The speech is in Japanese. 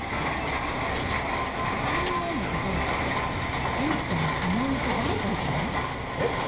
確認なんだけど、竜ちゃん、そのお店、誰と行くの？え？